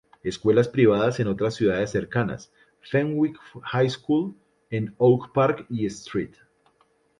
Escuelas privadas en otras ciudades cercanas: Fenwick High School en Oak Park y St.